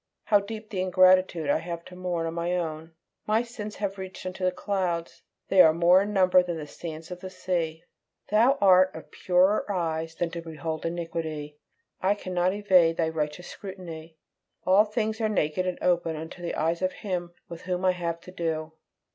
how deep the ingratitude I have to mourn on my own! My sins have reached unto the clouds; they are more in number than the sand of the sea. Thou art of purer eyes than to behold iniquity. I cannot evade Thy righteous scrutiny; all things are naked and open unto the eyes of Him with whom I have to do!